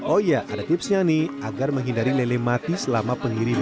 oh ya ada tipsnya nih agar menghindari lele mati selama pengiriman